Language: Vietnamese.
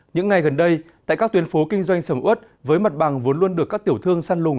những ngày gần đây tại các tuyến phố kinh doanh sầm ớt với mặt bằng vốn luôn được các tiểu thương săn lùng